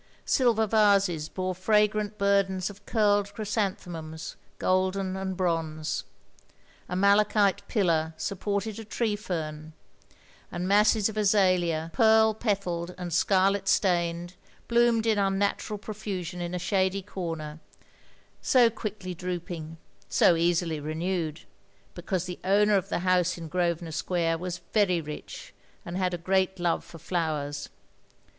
Silver vases bore fragrant burdens of curled chrysanthemums, golden and bronze. A nnialachite pillar supported a tree fern, and masses of azalea, pearl petalled and scarlet stained, bloomed in tmnatural pro fusion in a shady comer — so quickly drooping — so easily renewed ; because the owner of the house in Grosvenor Square was very rich, and had a great love for flowers.